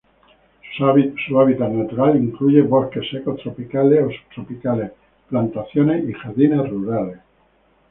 Su hábitat natural incluye bosques secos tropicales o subtropicales, plantaciones y jardines rurales.